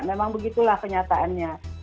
memang begitulah kenyataannya